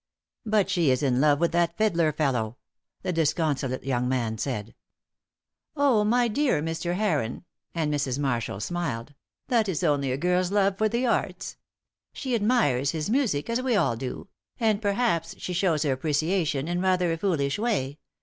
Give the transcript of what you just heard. "But she is in love with that fiddler fellow," the disconsolate young man said. "Oh, my dear Mr. Heron," and Mrs. Marshall smiled, "that is only a girl's love for the arts. She admires his music, as we all do, and perhaps she shews her appreciation in rather a foolish way.